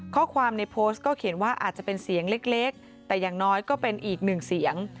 ข้อความในโพสต์ก็เขียนว่าอาจจะเป็นเสียงเล็กแต่อย่างน้อยก็เป็นอีกหนึ่งเสียง